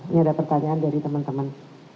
ini ada pertanyaan dari teman teman